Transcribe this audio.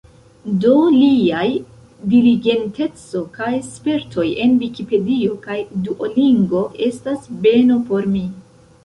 Do, liaj diligenteco kaj spertoj en Vikipedio kaj Duolingo estas beno por mi.